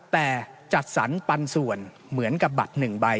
แต่จัดสรรปันส่วนเหมือนกับบัตร๑ใบ